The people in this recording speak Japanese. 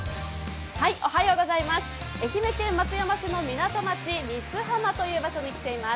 愛媛県松山市の港町・三津浜というところに来ています。